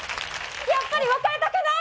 やっぱり別れたくない！